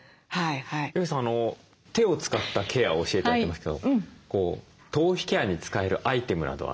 余慶さん手を使ったケアを教えて頂いたんですけど頭皮ケアに使えるアイテムなどは何かありますか？